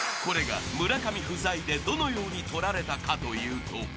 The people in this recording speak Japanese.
［これが村上不在でどのように撮られたかというと］